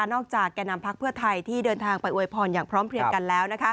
แก่นำพักเพื่อไทยที่เดินทางไปอวยพรอย่างพร้อมเพลียงกันแล้ว